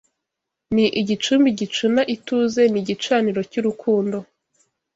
Ni igicumbi gicuna ituze Ni igicaniro cy’urukundo